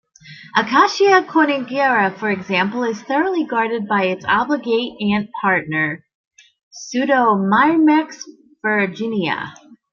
"Acacia cornigera", for example, is thoroughly guarded by its obligate ant partner, "Pseudomyrmex ferruginea".